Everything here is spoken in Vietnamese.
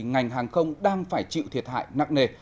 ngành hàng không đang phải chịu thiệt hại nặng nề